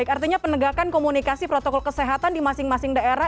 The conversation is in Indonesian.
artinya penegakan komunikasi protokol kesehatan di masing masing daerah